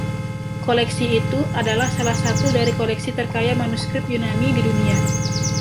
Koleksi itu adalah salah satu dari koleksi terkaya manuskrip Yunani di dunia.